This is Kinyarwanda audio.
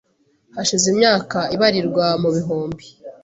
Hashize imyaka ibarirwa mu bihumbi